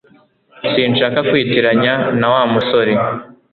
Sinshaka kwitiranya na Wa musore